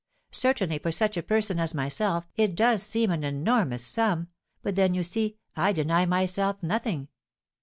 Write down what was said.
Certainly, for such a person as myself, it does seem an enormous sum; but then, you see, I deny myself nothing."